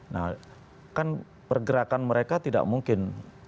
nah kan pergerakan mereka tidak mungkin